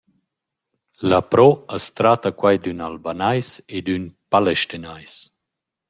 Lapro as tratta quai d’ün Albanais e d’ün Palestinais.